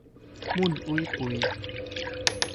มุ่นอุ้ยปุ้ย